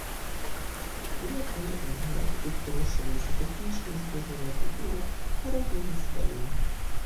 Але акрамя вінаграда, тут вырошчваюцца тэхнічныя і збожжавыя культуры, гародніна і садавіна.